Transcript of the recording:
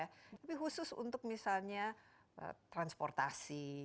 tapi khusus untuk misalnya transportasi